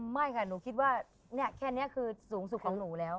ไม่ค่ะหนูคิดว่าแค่นี้คือสูงสุดของหนูแล้ว